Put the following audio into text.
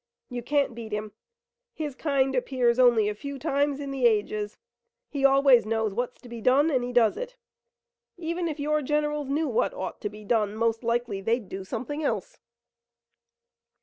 You can't beat him! His kind appears only a few times in the ages. He always knows what's to be done and he does it. Even if your generals knew what ought to be done, most likely they'd do something else."